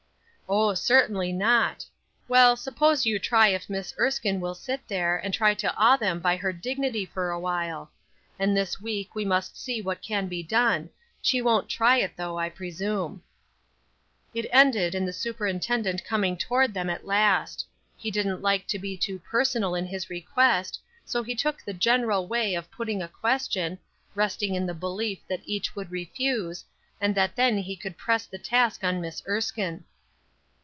"Oh, certainly not. Well, suppose you try if Miss Erskine will sit there, and try to awe them by her dignity for awhile. And this week we must see what can be done; she won't try it, though, I presume." It ended in the superintendent coming toward them at last. He didn't like to be too personal in his request, so he took the general way of putting a question, resting in the belief that each would refuse, and that then he could press the task on Miss Erskine.